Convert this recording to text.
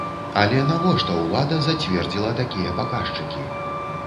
Але навошта ўлада зацвердзіла такія паказчыкі?